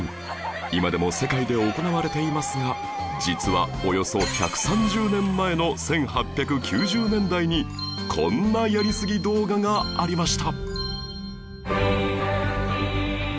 今でも世界で行われていますが実はおよそ１３０年前の１８９０年代にこんなやりすぎ動画がありました